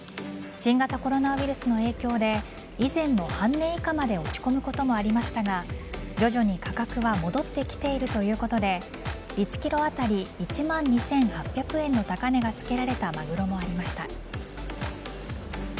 新型コロナウイルスの影響で以前の半値以下まで落ち込むこともありましたが徐々に価格は戻ってきているということで１ｋｇ当たり１万２８００円の高値が付けられたマグロもありました。